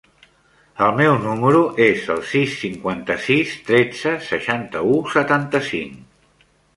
El meu número es el sis, cinquanta-sis, tretze, seixanta-u, setanta-cinc.